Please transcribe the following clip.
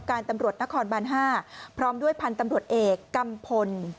ตำรวจนครบาน๕พร้อมด้วยพันธุ์ตำรวจเอกกัมพล